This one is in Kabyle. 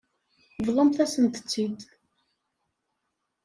Bḍumt-asent-tt-id.